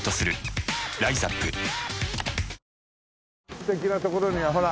素敵なところにはほら。